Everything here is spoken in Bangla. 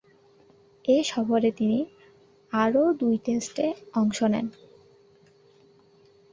এ সফরে তিনি আরও দুই টেস্টে অংশ নেন।